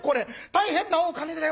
大変なお金だよ。